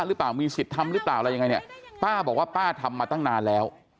หรือเปล่ามีสิทธิ์ทำหรือเปล่าอะไรยังไงเนี่ยป้าบอกว่าป้าทำมาตั้งนานแล้ว